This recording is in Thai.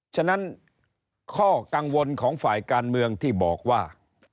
ฉะนั้นข้อกังวลของฝ่ายการเมืองที่บอกว่า